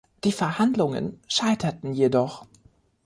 Die Verhandlungen scheiterten jedoch.